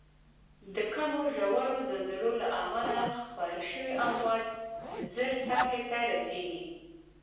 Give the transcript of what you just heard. د کمو ژورو زلزلو له امله خپاره شوی امواج زر سطحې ته رسیږي.